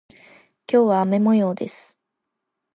今日は雨模様です。